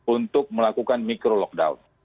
untuk melakukan mikro lockdown